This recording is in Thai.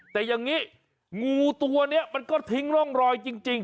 แต่อย่างนี้งูตัวนี้มันก็ทิ้งร่องรอยจริง